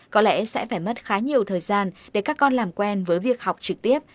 có lẽ sẽ phải mất khá nhiều thời gian để các con làm quen với việc học trực tiếp